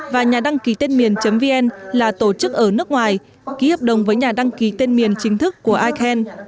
và nhà đăng ký tên miền vn là tổ chức ở nước ngoài ký hợp đồng với nhà đăng ký tên miền chính thức của iceland